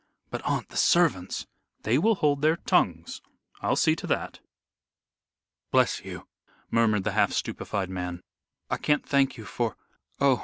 "But, aunt, the servants " "They will hold their tongues. I'll see to that." "Bless you," murmured the half stupefied man. "I can't thank you for Oh!